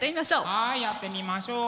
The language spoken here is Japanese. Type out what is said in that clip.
はいやってみましょう。